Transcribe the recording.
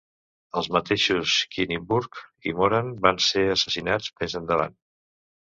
Els mateixos Kinniburgh i Moran van ser assassinats més endavant.